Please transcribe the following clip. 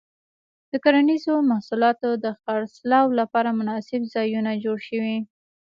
د کرنیزو محصولاتو د خرڅلاو لپاره مناسب ځایونه جوړ شي.